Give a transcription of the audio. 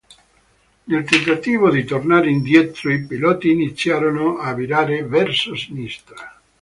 Nel tentativo di tornare indietro i piloti iniziarono a virare verso sinistra.